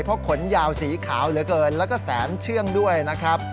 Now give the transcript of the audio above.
เพราะขนยาวสีขาวเหลือเกินแล้วก็แสนเชื่องด้วยนะครับ